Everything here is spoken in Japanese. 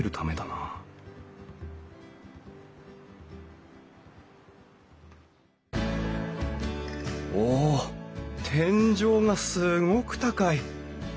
なおお天井がすごく高い。